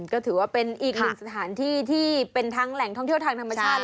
ก็ถือว่าเป็นอีกหนึ่งสถานที่ที่เป็นทั้งแหล่งท่องเที่ยวทางธรรมชาติ